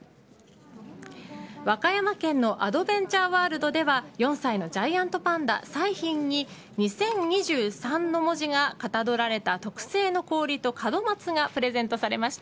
和歌山県のアドベンチャーワールドでは４歳のジャイアントパンダ彩浜に２０２３の文字がかたどられた特製の氷と門松がプレゼントされました。